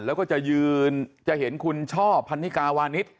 แล้วก็จะยืนจะเห็นคุณช่อพันนิกาวานิส